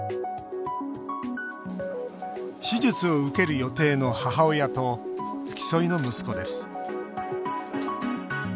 手術を受ける予定の母親と付き添いの息子です。